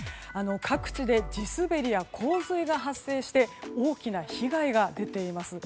各地で地滑りや洪水が発生して大きな被害が出ています。